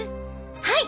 はい！